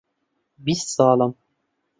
بیست ساڵم.